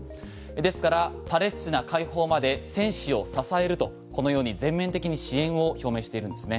ですからパレスチナ解放まで戦士を支えるとこのように全面的に支援を表明しているんですね